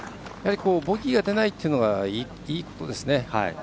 ボギーが出ないというのがいいことですね。